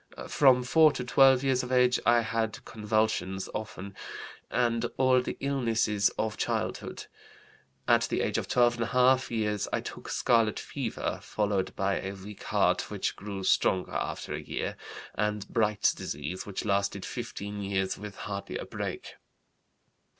From 4 to 12 years of age I had convulsions (often), and all the illnesses of childhood. At the age of 12½ years I took scarlet fever, followed by a weak heart, which grew stronger after a year, and Bright's disease, which lasted fifteen years with hardly a break.